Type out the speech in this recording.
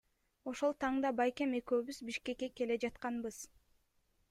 Ошол таңда байкем экөөбүз Бишкекке келе жатканбыз.